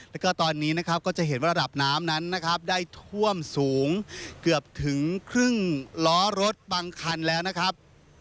แล้วก็ตอนนี้นะครับก็จะเห็นว่าระดับน้ำนั้นนะครับได้ท่วมสูงเกือบถึงครึ่งล้อรถบางคันแล้วนะครับ